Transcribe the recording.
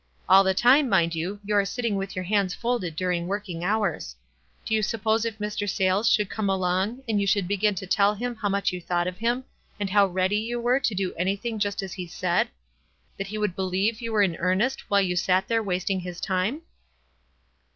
All the time, mind you, you are sitting with your hands folded during working hours. Do you suppose if Mr. Sayles should come along, and you should begin to tell him how much you thought of him, and how ready you were to do anything just as he said, that he could believe you were in earn est while you sat there wasting his time